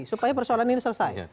supaya persoalan ini selesai